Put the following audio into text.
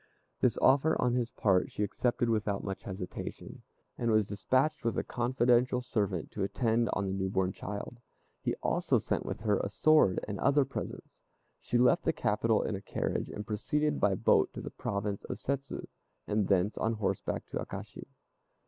This offer on his part she accepted without much hesitation, and was despatched with a confidential servant to attend on the new born child. He also sent with her a sword and other presents. She left the capital in a carriage, and proceeded by boat to the province of Settsu, and thence on horseback to Akashi.